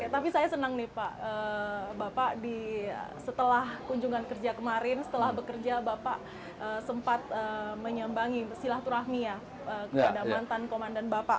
tapi saya senang nih pak bapak setelah kunjungan kerja kemarin setelah bekerja bapak sempat menyambangi silaturahmi ya kepada mantan komandan bapak